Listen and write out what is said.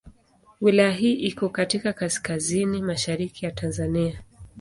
Wilaya hii iko katika kaskazini mashariki ya Tanzania.